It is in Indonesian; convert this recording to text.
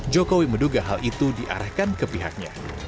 jokowi menduga hal itu diarahkan ke pihaknya